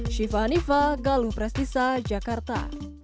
syifa hanifah galuh prestisa jakarta